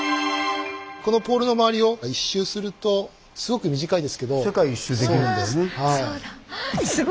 このポールの周りを一周するとすごく短いですけど。